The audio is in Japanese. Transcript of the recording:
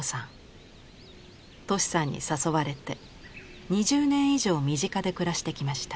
俊さんに誘われて２０年以上身近で暮らしてきました。